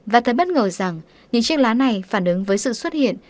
và thấy bất ngờ rằng những chiếc lá này phản ứng với sự xuất hiện